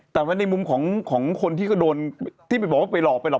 แต่ว่าในมุมของคนที่ก็โดนที่ไปบอกว่าไปหลอกไปหรอ